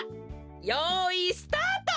よいスタート！